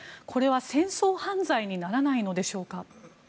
これは戦争犯罪にならないのでしょうか。